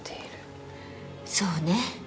そうね